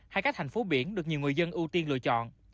hay các thành phố biển được nhiều người dân ưu tiên lựa chọn